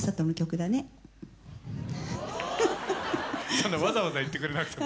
そんなわざわざ言ってくれなくても。